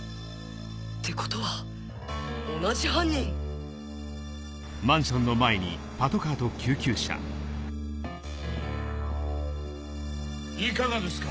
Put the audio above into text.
ってことは同じ犯人⁉いかがですか？